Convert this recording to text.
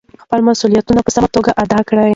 خپل مسؤلیت په سمه توګه ادا کړئ.